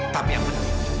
tapi yang penting